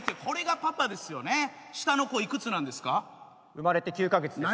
生まれて９カ月です。